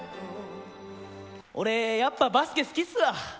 俺、やっぱバスケ好きっすわ。